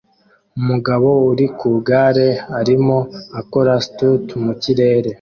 Umugabo uri ku igare arimo akora stunt mu kirere